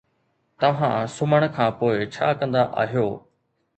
توهان سمهڻ کان پوء ڇا ڪندا آهيو؟